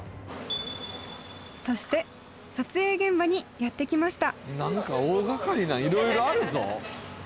そして撮影現場にやってきました